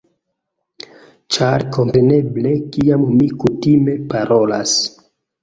Ĉar kompreneble kiam mi kutime parolas